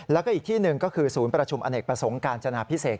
แล้วก็อีกที่หนึ่งก็คือศูนย์ประชุมอเนกประสงค์การจนาพิเศษ